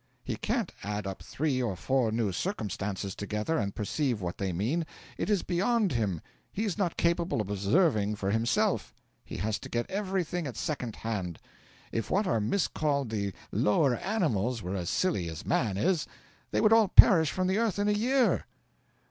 He can't add up three or four new circumstances together and perceive what they mean; it is beyond him. He is not capable of observing for himself; he has to get everything at second hand. If what are miscalled the lower animals were as silly as man is, they would all perish from the earth in a year.'